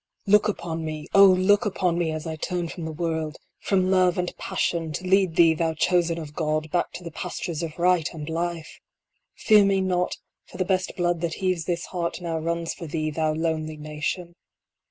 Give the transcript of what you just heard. Look upon me oh look upon me, as I turn from the world from love, and passion, to lead thee, thou Chosen of God, back to the pastures of Right and Life 1 Fear me not ; for the best blood that heaves this heart now runs for thee, thou Lonely Nation